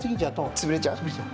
潰れちゃう？